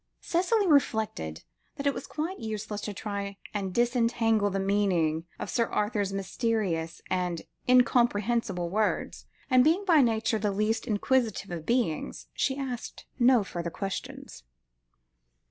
Cicely reflected that it was quite useless to try and disentangle the meaning of Sir Arthur's mysterious and incomprehensible words; and, being by nature the least inquisitive of beings, she asked no further questions.